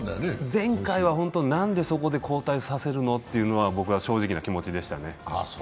前回は、ホントなんでそこで交代させるのと僕は正直な気持ちでしたね。